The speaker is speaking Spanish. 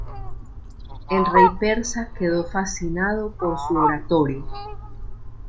El rey persa quedó fascinado por su oratoria.